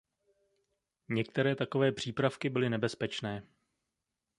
Některé takové přípravky byly nebezpečné.